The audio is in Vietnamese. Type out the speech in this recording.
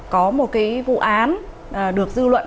có một cái vụ án được dư luận